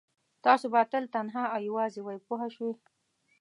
تاسو به تل تنها او یوازې وئ پوه شوې!.